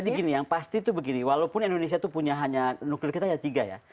jadi gini yang pasti itu begini walaupun indonesia itu punya hanya nuklir kita hanya tiga ya